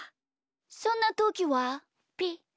そんなときはピッ。